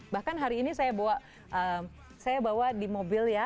bahkan hari ini saya bawa di mobil ya